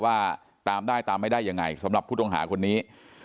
ว่าตามได้ตามไม่ได้ยังไงสำหรับผู้ต้องหาคนนี้